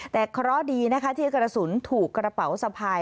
แต่เคราะห์ดีนะคะที่กระสุนถูกกระเป๋าสะพาย